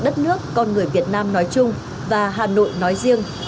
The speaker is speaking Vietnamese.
đất nước con người việt nam nói chung và hà nội nói riêng